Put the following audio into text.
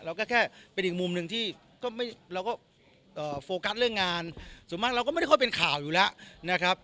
เราก็แค่เป็นอีกมุมหนึ่งที่เราก็โฟกัสเรื่องงานส่วนมากเราก็ไม่ได้ค่อยเป็นข่าวอยู่แล้วนะครับ